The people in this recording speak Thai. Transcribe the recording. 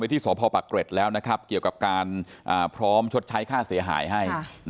ไว้ที่สพปแล้วนะครับเกี่ยวกับการอ่าพร้อมชดใช้ค่าเสียหายให้ค่ะ